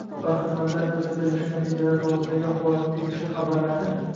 va xizmatlar ko‘rsatilishi natijalari to‘g‘risidagi axborotni tegishli xabarlarni